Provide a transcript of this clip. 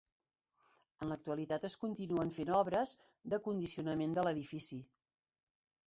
En l'actualitat es continuen fent obres de condicionament de l'edifici.